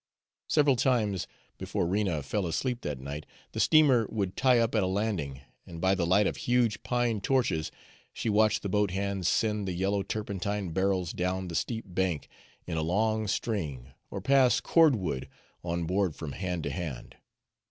Several times before Rena fell asleep that night, the steamer would tie up at a landing, and by the light of huge pine torches she watched the boat hands send the yellow turpentine barrels down the steep bank in a long string, or pass cord wood on board from hand to hand.